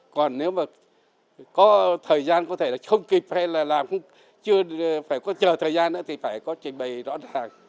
còn nếu mà có thời gian có thể là không kịp hay là làm chưa phải có chờ thời gian nữa thì phải có trình bày rõ ràng